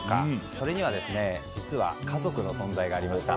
それには実は家族の存在がありました。